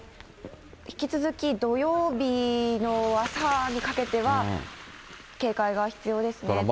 引き続き土曜日の朝にかけては、警戒が必要ですね。